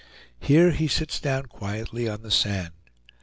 Here he sits down quietly on the sand.